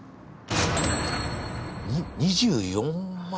２２４万？